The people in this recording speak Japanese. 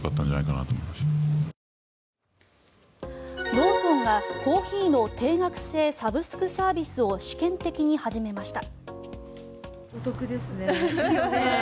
ローソンがコーヒーの定額制サブスクサービスを試験的に始めました。